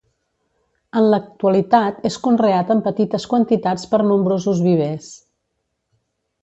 En l'actualitat és conreat en petites quantitats per nombrosos vivers.